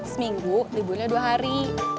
seminggu liburnya dua hari